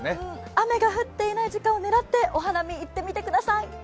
雨が降っていない時間を狙ってお花見、行ってみてください。